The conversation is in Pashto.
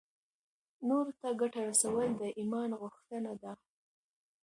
نورو ته ګټه رسول د ایمان غوښتنه ده.